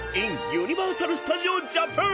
ユニバーサル・スタジオ・ジャパン！］